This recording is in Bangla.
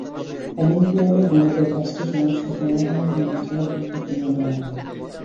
অলিম্পিয়াডে গণিতের পাঁচটি সমস্যা সমাধানের জন্য চার ঘণ্টা সময় দেওয়া হয়।